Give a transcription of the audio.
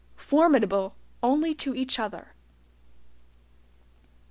FORMIDABLE ONLY TO EACH OTHER.